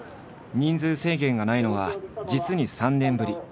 人数制限がないのは実に３年ぶり。